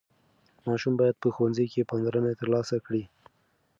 ماشوم باید په ښوونځي کې پاملرنه ترلاسه کړي.